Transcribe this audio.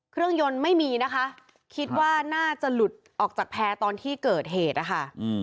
เครื่องยนต์ไม่มีนะคะคิดว่าน่าจะหลุดออกจากแพร่ตอนที่เกิดเหตุนะคะ